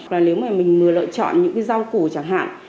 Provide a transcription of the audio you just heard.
là nếu mà mình lựa chọn những cái rau củ chẳng hạn